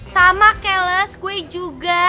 sama kelas gue juga